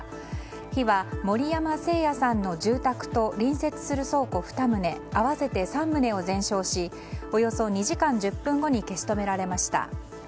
火は森山誠也さんの住宅と隣接する倉庫２棟合わせて３棟を全焼しおよそ２時間１０分後に消し止められました。